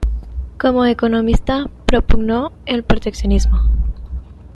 Como economista propugnó el proteccionismo.